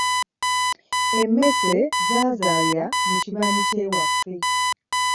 Emmese zaazaalira mu kibanyi ky’ewaffe.